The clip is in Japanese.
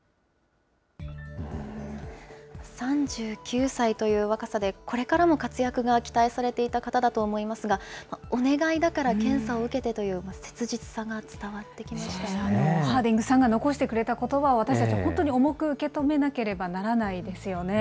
３９歳という若さでこれからも活躍が期待されていた方だと思いますが、お願いだから検査を受けてという切実さが伝わってきまハーディングさんが残してくれたことばを私たち、本当に重く受け止めなければならないですよね。